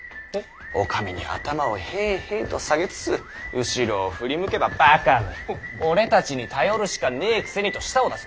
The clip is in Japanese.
お上に頭をへぇへぇと下げつつ後ろを振り向けば「バカめ。俺たちに頼るしかねぇくせに」と舌を出す。